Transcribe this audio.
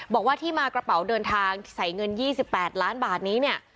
บอกว่าที่มากระเป๋าเดินทางใส่เงิน๒๘ล้านบาทนี้เนี่ย